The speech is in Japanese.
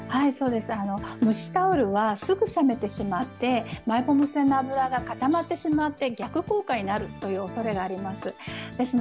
蒸しタオルは、すぐ冷めてしまって、マイボーム腺の油が固まってしまって、逆効果になるというおそれがあります。